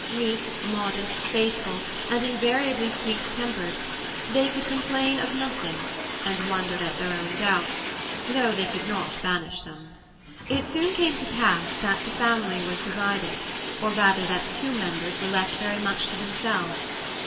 Meek, modest, faithful, and invariably sweet tempered they could complain of nothing and wondered at their own doubts, though they could not banish them. It soon came to pass that the family was divided, or rather that two members were left very much to themselves.